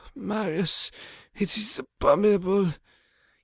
Marius! It is abominable!